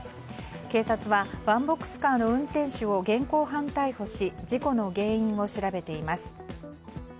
警察はワンボックスカーの運転手を現行犯逮捕し事故の原因を調べています。